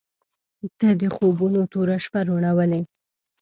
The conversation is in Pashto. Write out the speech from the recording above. • ته د خوبونو توره شپه روڼولې.